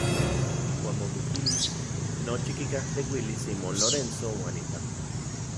Ijkuak momikilis nochi kikajteuilis imon Lorenzo uan itako.